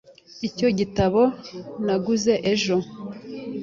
Nicyo gitabo naguze ejo .